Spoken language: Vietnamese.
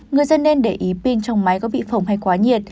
người dân nên để ý pin trong máy có bị phồng hay quá nhiệt